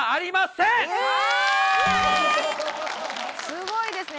すごいですね。